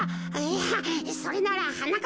いやそれならはな